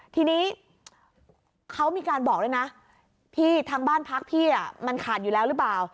ทีนี้เขามีการบอกด้วยนะพี่ทางบ้านพักพี่มันขาดอยู่แล้วหรือเปล่า